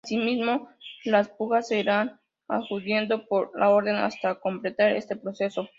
Asimismo, las pujas se irán adjudicando por orden hasta completar este proceso.